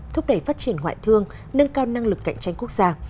thúc đẩy phát triển ngoại thương nâng cao năng lực cạnh tranh quốc gia